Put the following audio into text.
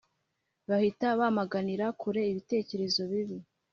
bahita bamaganira kure ibitekerezo bibi